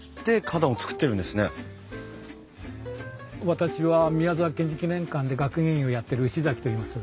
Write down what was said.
私は宮沢賢治記念館で学芸員をやってる牛崎といいます。